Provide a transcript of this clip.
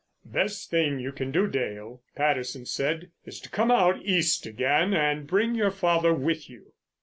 "Best thing you can do, Dale," Patterson said, "is to come out East again and bring your father with you."